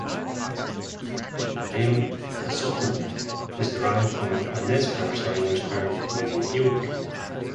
The name Asotin is derived from a Nez Perce language term meaning "eel creek".